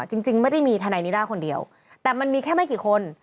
จริงไม่ได้มีทนายนิด้าคนเดียวแต่มันมีแค่ไม่กี่คน